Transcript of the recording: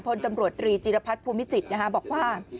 พลตำรวจตรีจีรพัฒน์ภูมิจิตรบอกว่า